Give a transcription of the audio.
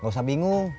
gak usah bingung